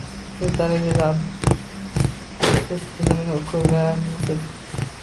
Shu darajada absurd tizimni ko‘rganmisiz?